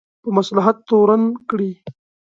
په مصلحت تورن کړي.